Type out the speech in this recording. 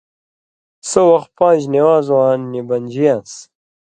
سو وخ پان٘ژ نِوان٘زواں نی بنژیان٘س۔